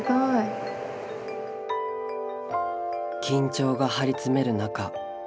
緊張が張り詰める中